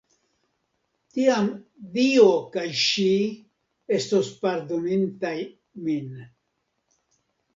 Tiam Dio kaj ŝi estos pardonintaj min.